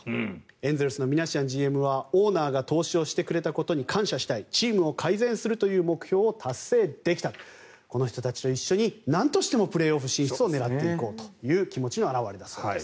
エンゼルスのミナシアンＧＭはオーナーが投資をしてくれたことに感謝したいチームを改善するという目標を達成できたこの人たちと一緒になんとしてもプレーオフ進出を狙っていこうという気持ちの表れだということです。